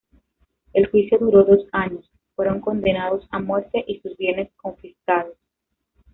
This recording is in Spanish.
El juicio duró dos años; fueron condenados a muerte y sus bienes confiscados.